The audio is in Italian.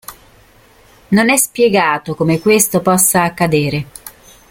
Non è spiegato come questo possa accadere.